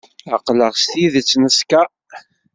Aql-aɣ s tidet neskeṛ.